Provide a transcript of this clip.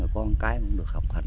con cái cũng được học hành